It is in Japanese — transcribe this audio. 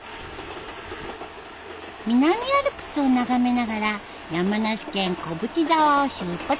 南アルプスを眺めながら山梨県小淵沢を出発！